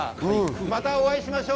またお会いしましょう。